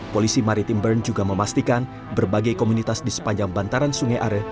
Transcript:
polisi maritim bern juga memastikan berbagai komunitas di sepanjang bantaran sungai are